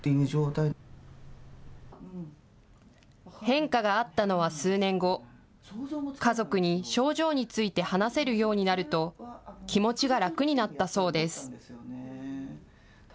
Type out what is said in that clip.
変化があったのは数年後、家族に症状について話せるようになると、気持ちが楽になったそうです。